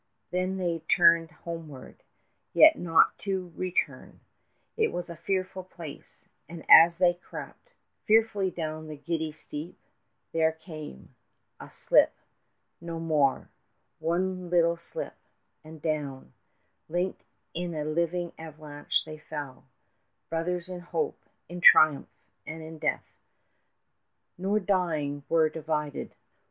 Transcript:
Then they turned homeward, yet not to return. 55 It was a fearful place, and as they crept Fearfully down the giddy steep, there came A slip no more one little slip, and down Linked in a living avalanche they fell, Brothers in hope, in triumph, and in death, 60 Nor dying were divided.